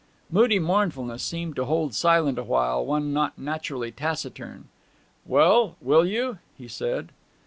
Moody mournfulness seemed to hold silent awhile one not naturally taciturn. 'Well will you?' he said.